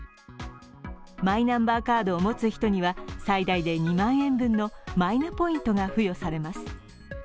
マイナンバーカードを持つ人には最大で２万円分のマイナポイントが付与されます。